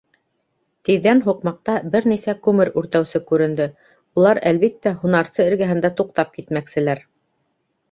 Тиҙҙән һуҡмаҡта бер нисә күмер үртәүсе күренде, улар, әлбиттә, һунарсы эргәһендә туҡтап китмәкселәр.